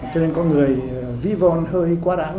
cho nên có người vi von hơi quá đáng